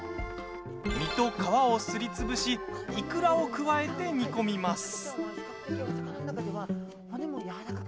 身と皮をすりつぶしイクラを加えて煮込みます。